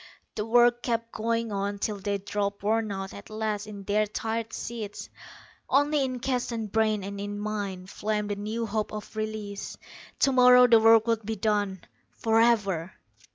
The work kept going on till they dropped worn out at last in their tired seats. Only in Keston's brain, and in mine, flamed the new hope of release. Tomorrow the work would be done, forever.